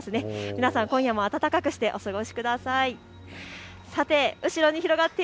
皆さん今夜も暖かくしてお過ごしください。